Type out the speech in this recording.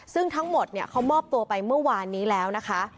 ซึ่งทั้งหมดเขามอบตัวไปเมื่อวานนี้แล้วนะคะ